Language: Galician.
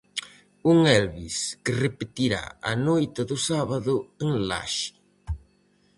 Un Elvis que repetirá a noite do sábado en Laxe.